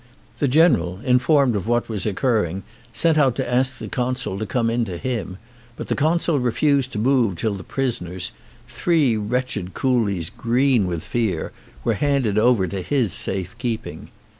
The general informed of what was oc curring sent out to ask the consul to come in to him, but the consul refused to move till the pris oners, three wretched coolies green with fear, were handed over to his safe keeping.